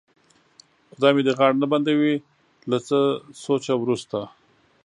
خدای مې دې غاړه نه بندوي، له څه سوچه وروسته.